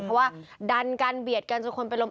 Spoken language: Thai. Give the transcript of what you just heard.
เพราะว่าดันกันเบียดกันจนคนเป็นลม